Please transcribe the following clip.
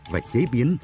và chế biến